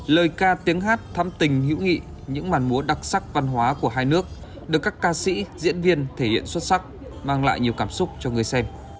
lời ca tiếng hát thắm tình hữu nghị những màn múa đặc sắc văn hóa của hai nước được các ca sĩ diễn viên thể hiện xuất sắc mang lại nhiều cảm xúc cho người xem